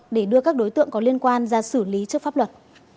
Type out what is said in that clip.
để đưa các đối tượng có liên quan ra xử lý trước pháp luật